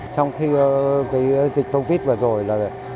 trong khi cái dịch covid vừa rồi là